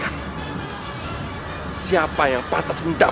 anda pasti tidak akan bermain besok